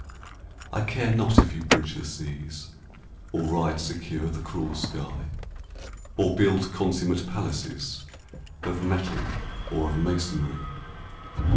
I care not if you bridge the seas, Or ride secure the cruel sky, Or build consummate palaces Of metal or of masonry.